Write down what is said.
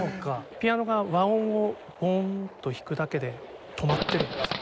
ピアノが和音をポンと弾くだけで止まってるんですよ。